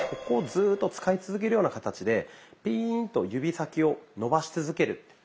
ここをずっと使い続けるような形でピーンと指先を伸ばし続ける。